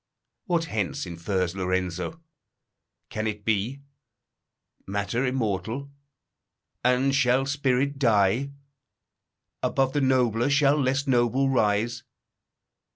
What hence infers Lorenzo? Can it be? Matter immortal? And shall spirit die? Above the nobler, shall less noble rise?